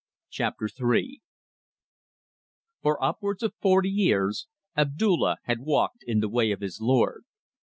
CHAPTER THREE For upwards of forty years Abdulla had walked in the way of his Lord.